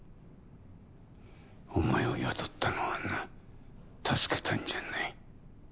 お前を雇ったのはな助けたんじゃない。